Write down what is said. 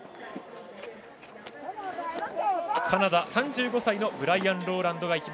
カナダ、３５歳のブライアン・ロウランド。